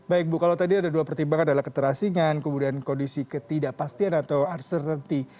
baik bu kalau tadi ada dua pertimbangan adalah keterasingan kemudian kondisi ketidakpastian atau uncertainty